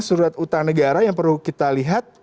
surat utang negara yang perlu kita lihat